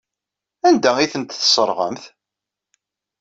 Anda ay tent-tesserɣemt?